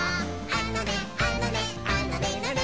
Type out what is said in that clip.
「あのねあのねあのねのね」